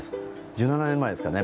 １７年前ですかね